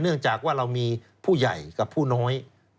เนื่องจากว่าเรามีผู้ใหญ่กับผู้น้อย